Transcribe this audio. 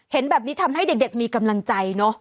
เห็นแบบนี้ทำให้เด็กมีกำลังใจเนอะ